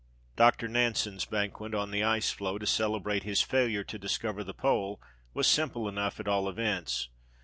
Doctor Nansen's Banquet on the ice floe, to celebrate his failure to discover the Pole, was simple enough, at all events.